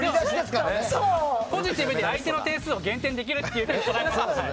ポジティブに相手の点数を減点できるということですよね。